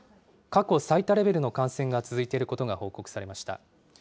過去最多レベルの感染が続いていることが報告されました。